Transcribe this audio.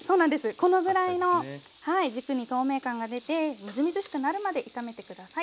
このぐらいの軸に透明感が出てみずみずしくなるまで炒めて下さい。